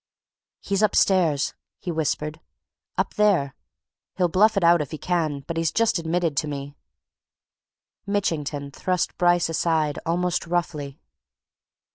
"He's upstairs!" he whispered. "Up there! He'll bluff it out if he can, but he's just admitted to me " Mitchington thrust Bryce aside, almost roughly.